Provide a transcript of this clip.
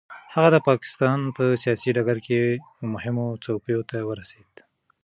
هغه د پاکستان په سیاسي ډګر کې مهمو څوکیو ته ورسېد.